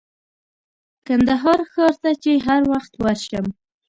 کندهار ښار ته چې هر وخت ورشم.